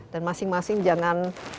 dan masing masing jangan